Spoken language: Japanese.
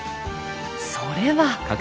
それは。